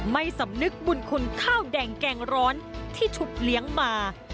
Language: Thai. ไม่สำนึกบุญคุณข้าวแดงแกงร้อนที่ถูกเลี้ยงมา